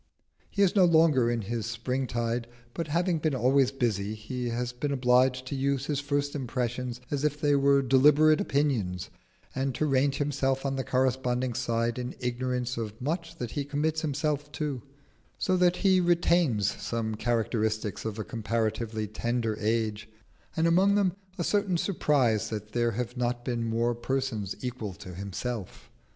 He is no longer in his spring tide, but having been always busy he has been obliged to use his first impressions as if they were deliberate opinions, and to range himself on the corresponding side in ignorance of much that he commits himself to; so that he retains some characteristics of a comparatively tender age, and among them a certain surprise that there have not been more persons equal to himself.